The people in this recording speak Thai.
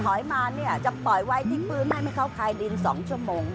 หอยมาเนี่ยจะปล่อยไว้ที่ฟื้นให้เขาคายดิน๒ชั่วโมง